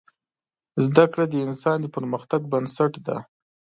زده کړه د انسان د پرمختګ بنسټ دی.